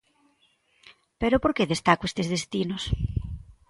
¿Pero por que destaco estes destinos?